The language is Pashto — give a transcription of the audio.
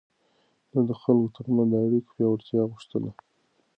ده د خلکو ترمنځ د اړيکو پياوړتيا غوښتله.